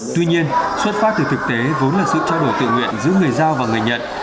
tuy nhiên xuất phát từ thực tế vốn là sự trao đổi tự nguyện giữa người giao và người nhận